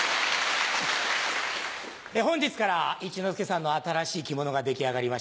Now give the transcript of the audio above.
本日から一之輔さんの新しい着物が出来上がりました。